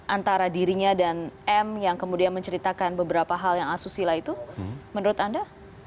antara dirinya dan m yang kemudian menceritakan beberapa hal yang asusila itu menurut anda